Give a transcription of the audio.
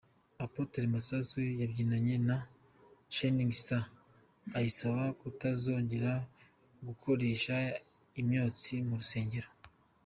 Apotre Masasu yabyinanye na Shining stars ayisaba kutazongera gukoresha imyotsi mu rusengero.